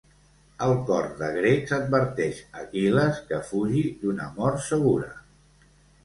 El cor de grecs adverteix Aquil·les que fugi d’una mort segura.